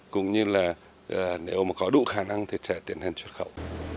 cũng như là nếu mà có đủ khả năng thì sẽ tiến hành xuất khẩu